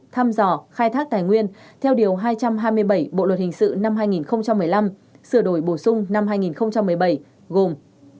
thăm dò khai thác tài nguyên theo điều hai trăm hai mươi bảy bộ luật hình sự năm hai nghìn một mươi năm sửa đổi bổ sung năm hai nghìn một mươi bảy gồm